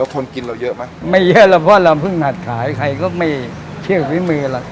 คนกินเราเยอะไหมไม่เยอะหรอกเพราะเราเพิ่งหัดขายใครก็ไม่เชื่อฝีมืออะไร